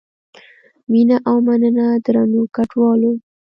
مینه او مننه درنو ګډونوالو.